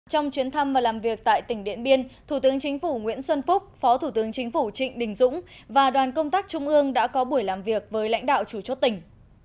trong chuyến thăm và làm việc tại tỉnh điện biên thủ tướng chính phủ nguyễn xuân phúc phó thủ tướng chính phủ trịnh đình dũng và đoàn công tác trung ương đã có buổi làm việc với lãnh đạo chủ chốt tỉnh